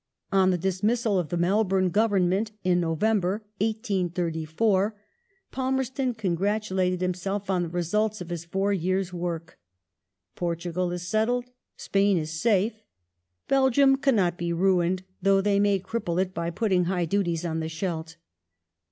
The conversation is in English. On the dismissal of the Mel bourne Government in November, 1834, Palmerston congi'atulated himself on the results of his four years' work. " Portugal is settled ; Spain is safe ; Belgium cannot be ruined, though they may cripple it by putting high duties on the Scheldt."